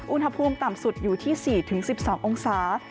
อุณหภูมิต่ำสุดอยู่ที่สี่ถึงสิบสององศา